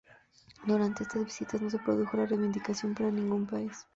Durante esas visitas no se produjo la reivindicación para ningún país.